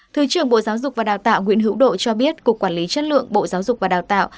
thứ trưởng bộ giáo dục và đào tạo nguyễn hữu độ cho biết cục quản lý chất lượng bộ giáo dục và đào tạo